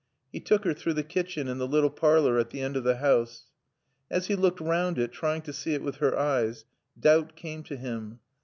He took her through the kitchen and the little parlor at the end of the house. As he looked round it, trying to see it with her eyes, doubt came to him.